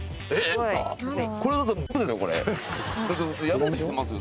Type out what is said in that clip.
これ。